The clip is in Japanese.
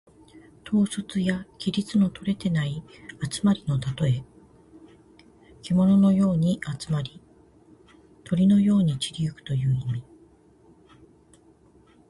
統率や規律のとれていない集まりのたとえ。けもののように集まり、鳥のように散り行くという意味。